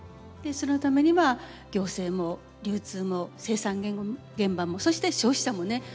でそのためには行政も流通も生産現場もそして消費者もね